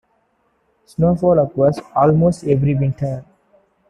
Snowfall occurs almost every winter.